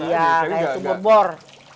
iya kayak sumur bor